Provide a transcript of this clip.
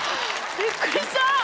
びっくりした。